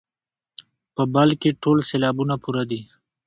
په بل کې ټول سېلابونه پوره دي.